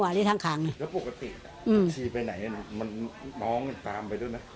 มันมองตามไปด้วยมะ